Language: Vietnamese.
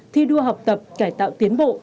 thi đua học tập cải tạo tiến bộ